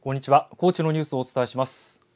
高知のニュースをお伝えします。